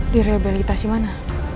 di rebelitasi mana